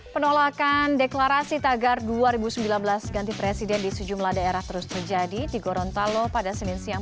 penolakan deklarasi tagar dua ribu sembilan belas ganti presiden di sejumlah daerah terus terjadi di gorontalo pada senin siang